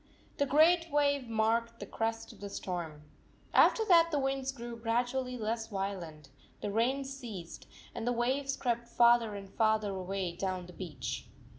The great wave marked the crest of the storm. After that the winds grew gradually less violent, the rain ceased, and the waves crept farther and farther away down the beach.